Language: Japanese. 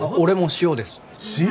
塩！？